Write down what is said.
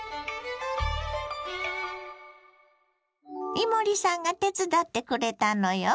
伊守さんが手伝ってくれたのよ。